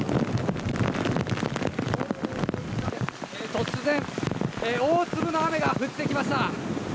突然、大粒の雨が降ってきました。